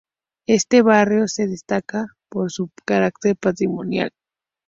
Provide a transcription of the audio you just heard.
Este barrio se destaca por su carácter patrimonial.